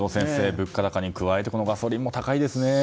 物価高に加えてガソリンも高いですね。